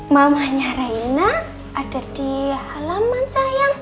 mamanya raina ada di halaman sayang